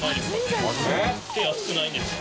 手熱くないんですか？